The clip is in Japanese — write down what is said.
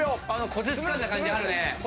コツつかんだ感じあるね。